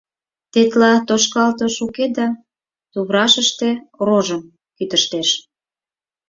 Тетла тошкалтыш уке да туврашыште рожым кӱтыштеш.